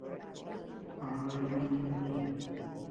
Ama too ñoʼö chi ninchoo.